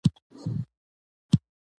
کله ترې بيا ازاد شي ـ